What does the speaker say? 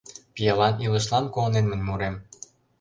Пиалан илышлан куанен мый мурем.